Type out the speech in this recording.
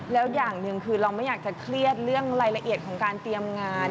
แล้วอย่างหนึ่งคือเราไม่อยากจะเครียดเรื่องรายละเอียดของการเตรียมงาน